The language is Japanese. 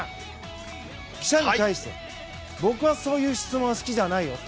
記者に対して、僕はそういう質問は好きじゃない。